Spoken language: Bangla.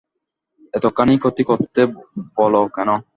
এতখানি ক্ষতি করতে বল কেন?